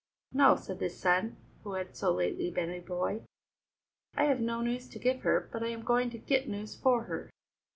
"No," said the son, who had so lately been a boy, "I have no news to give her, but I am going to get news for her."